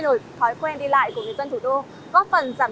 được triển khai theo hai giai đoạn